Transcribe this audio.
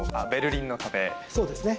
そうですね。